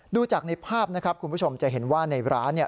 ดูจากในภาพนะครับคุณผู้ชมจะเห็นว่าในร้านเนี่ย